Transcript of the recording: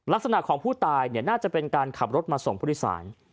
ลักษณะของผู้ตายน่าจะเป็นการขับรถมาส่งผู้โดยสาร